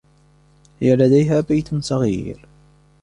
هي لديها بيت صغير.